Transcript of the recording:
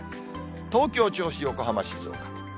東京、銚子、横浜、静岡。